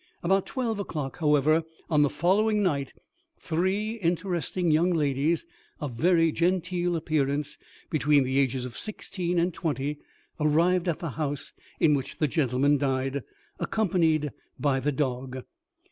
About twelve o'clock, however, on the following night, three interesting young ladies, of very genteel appearance, between the ages of sixteen and twenty, arrived at the house in which the gentleman died, accompanied by the dog.